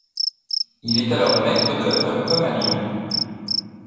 Il est alors maître d'œuvre comme à Lyon.